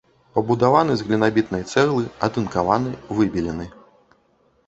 Пабудаваны з глінабітнай цэглы, атынкаваны, выбелены.